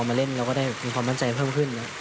มาเล่นแล้วก็ได้มีความมั่นใจเพิ่มขึ้นนะครับ